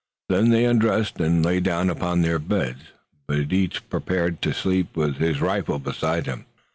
Then they undressed and lay down upon their beds, but each prepared to sleep with his rifle beside him.